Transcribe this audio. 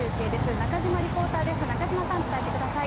中島リポーターです。